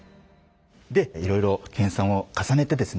でいろいろ研さんを重ねてですね